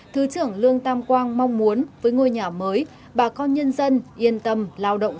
thứ trưởng lương tam quang mong muốn với ngôi nhà mới bà con nhân dân yên tâm lao động